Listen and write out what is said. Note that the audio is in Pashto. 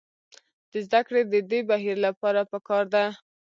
د زدکړې د دې بهیر لپاره پکار ده.